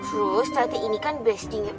terus sate ini kan bestinya